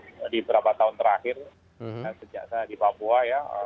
jadi beberapa tahun terakhir sejak saya di papua ya